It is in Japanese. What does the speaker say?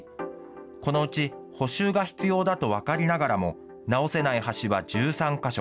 このうち、補修が必要だと分かりながらも、直せない橋は１３か所。